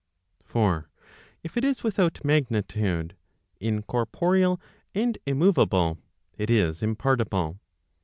» For if it is without magnitude, incorporeal, [and immoveable, it is impartible.